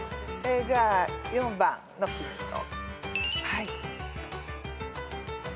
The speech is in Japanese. じゃあ４番のヒント。